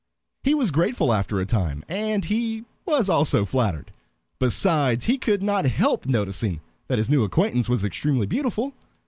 He was grateful after a time, and he was also flattered. Besides, he could not help noticing that his new acquaintance was extremely beautiful.